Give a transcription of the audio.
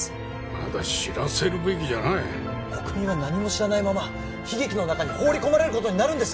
まだ知らせるべきじゃない国民は何も知らないまま悲劇の中に放り込まれることになるんです